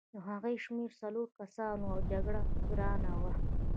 د هغوی شمېر څلور کسان وو او جګړه ګرانه وه